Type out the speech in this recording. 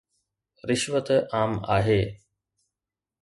رشوت عام آهي.